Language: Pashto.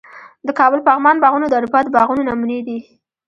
د کابل پغمان باغونه د اروپا د باغونو نمونې دي